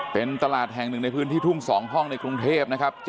เป็นตลาดแห่งหนึ่งในพื้นที่ทุ่ง๒ห้องในกรุงเทพนะครับ